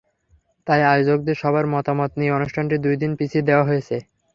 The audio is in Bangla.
তাই আয়োজকদের সবার মতামত নিয়ে অনুষ্ঠানটি দুই দিন পিছিয়ে দেওয়া হয়েছে।